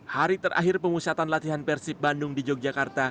hari terakhir pemusatan latihan persib bandung di yogyakarta